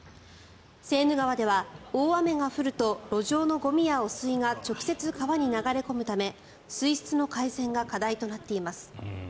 セーヌ川では大雨が降ると路上のゴミや汚水が直接、川に流れ込むため水質の改善が課題となっています。